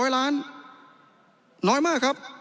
๐ล้านน้อยมากครับ